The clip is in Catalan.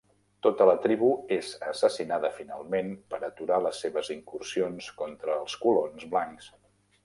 Tota la tribu és assassinada finalment per aturar les seves incursions contra els colons blancs.